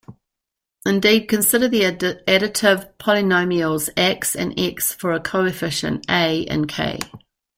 Indeed, consider the additive polynomials "ax" and "x" for a coefficient "a" in "k".